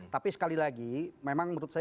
tapi sekali lagi memang menurut saya